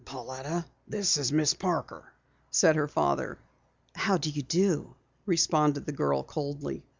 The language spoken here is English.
"Pauletta, this is Miss Parker," said her father. "How do you do," responded the girl coldly.